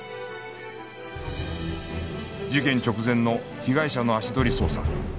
事件直前の被害者の足取り捜査